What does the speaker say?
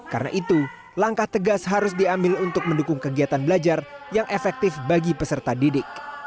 karena itu langkah tegas harus diambil untuk mendukung kegiatan belajar yang efektif bagi peserta didik